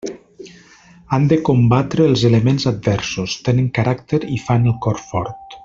Han de combatre els elements adversos, tenen caràcter i fan el cor fort.